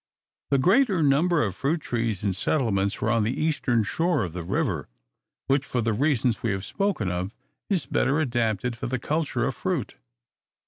The greater number of fruit orchards and settlements were on the eastern shore of the river, which, for the reasons we have spoken of, is better adapted to the culture of fruit.